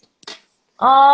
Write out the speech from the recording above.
oh sandra itu ke